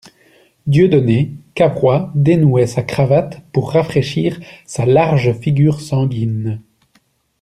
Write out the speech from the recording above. Dieudonné Cavrois dénouait sa cravate pour rafraîchir sa large figure sanguine.